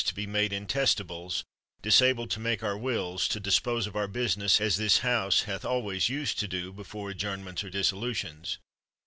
to be made intestacies, disabled to make our wills, to dispose of our busi ness, as this House hath always used to do before adjournments or dissolutions?